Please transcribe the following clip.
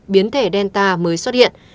bởi delta mới xuất hiện